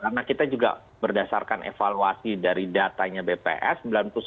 karena kita juga berdasarkan evaluasi dari datanya bps